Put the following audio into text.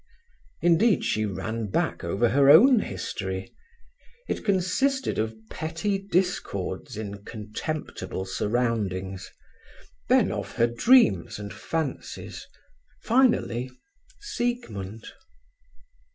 Instead, she ran back over her own history: it consisted of petty discords in contemptible surroundings, then of her dreams and fancies, finally—Siegmund.